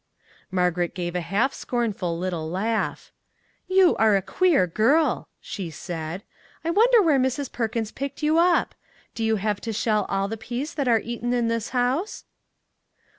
Margaret gave a half scornful little laugh. " You are a queer girl !" she said. " I won der where Mrs. Perkins picked you up? Do you have to shell all the peas that are eaten in this house?